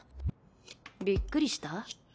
びっくりした？